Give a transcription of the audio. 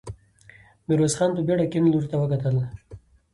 ميرويس خان په بېړه کيڼ لور ته وکتل.